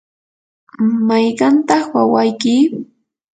¿mayqantaq wawayki?